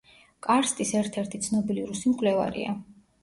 კარსტის ერთ-ერთი ცნობილი რუსი მკვლევარია.